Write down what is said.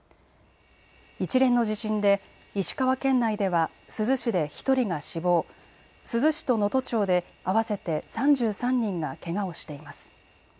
一連の地震で石川県内では珠洲市で１人が死亡、珠洲市と能登町で合わせて３３人がけがをしています。